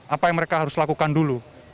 apa yang mereka harus lakukan dulu